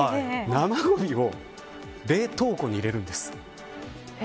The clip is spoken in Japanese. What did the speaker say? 生ごみを冷凍庫に入れるんです。